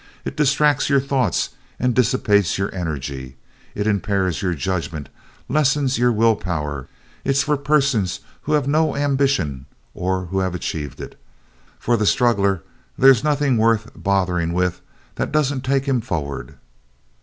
"It distracts your thoughts and dissipates your energy. It impairs your judgment, lessens your will power. It's for persons who have no ambition or who have achieved it. For the struggler there's nothing worth bothering with that doesn't take him forward."